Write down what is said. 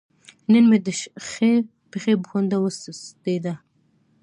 نن مې د ښۍ پښې پونده وسستې ده